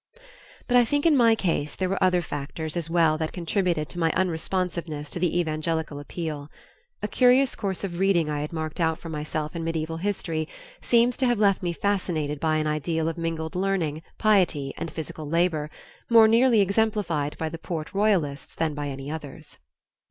But I think in my case there were other factors as well that contributed to my unresponsiveness to the evangelical appeal. A curious course of reading I had marked out for myself in medieval history, seems to have left me fascinated by an ideal of mingled learning, piety and physical labor, more nearly exemplified by the Port Royalists than by any others.